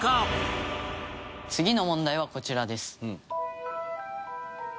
次の問題はこちらです。